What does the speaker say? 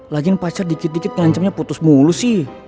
laggehen pacar dikit dikit ngancemnya mutus mulu sih